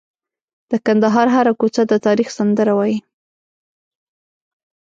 د کندهار هره کوڅه د تاریخ سندره وایي.